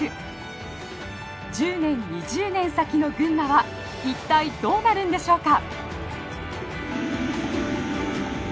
１０年２０年先の群馬は一体どうなるんでしょうか？